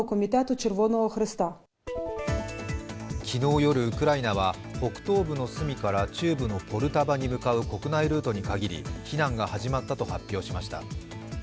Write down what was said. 昨日夜ウクライナは北東部のスミから中部のポルタバに向かう国内ルートに限り避難が始まったと発表しました。